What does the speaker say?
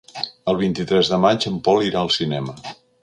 El vint-i-tres de maig en Pol irà al cinema.